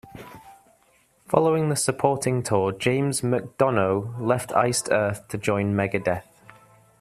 Following the supporting tour, James MacDonough left Iced Earth to join Megadeth.